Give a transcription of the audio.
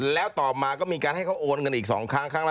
แล้วต่อมาก็มีการให้เขาโอนเงินอีก๒ครั้งครั้งละ